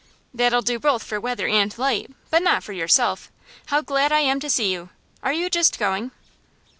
'That'll do both for weather and light, but not for yourself. How glad I am to see you! Are you just going?